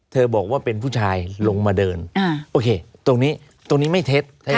เธอบอกว่าเป็นผู้ชายลงมาเดินโอเคตรงนี้ไม่เทส